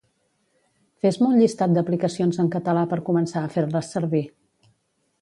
Fes-me un llistat d'aplicacions en català per començar a fer-les servir